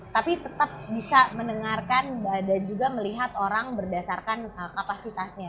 tapi tetap bisa mendengarkan dan juga melihat orang berdasarkan kapasitasnya